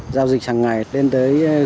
giao dịch hàng ngày đến tới gần một tỷ đồng